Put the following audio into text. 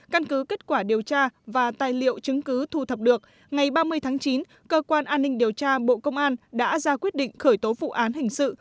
căn cứ kết quả điều tra và tài liệu chứng cứ thu thập được ngày ba mươi tháng chín cơ quan an ninh điều tra bộ công an đã ra quyết định khởi tố vụ án hình sự